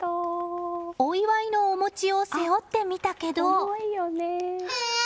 お祝いのお餅を背負ってみたけど。